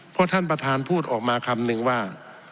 เพราะท่านประธานพูดออกมาคำนึงว่า